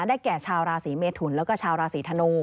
แก่ชาวราศีเมทุนแล้วก็ชาวราศีธนู